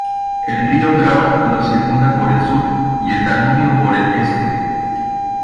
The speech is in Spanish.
El río Drava lo circunda por el sur y el Danubio por el este.